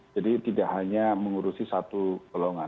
jadi tidak hanya mengurusi satu golongan